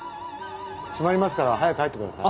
閉まりますから早く入ってください。